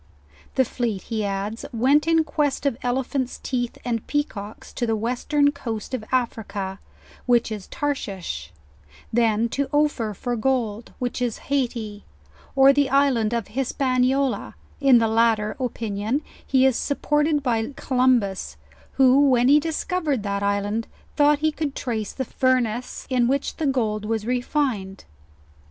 The fleet, he adds, went in quest of ele phant's teeth and peacocks to the western coast of Africa, which is Tarehiah: then to Ophir for gold, which is Haiti, or the island of Hispaniola; in the latter opinion he is suppor ted by Columbus, who, when he discovered that island, thought he could trace the furnaces in which the gold was refined.